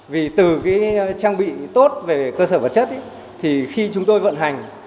vì từ cái trang bị tốt về cơ sở vật chất thì khi chúng tôi vận hành